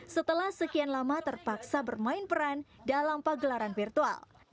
setelah sekian lama terpaksa bermain peran dalam pagelaran virtual